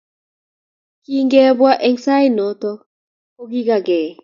Kingebwaat sait noto, kogigagee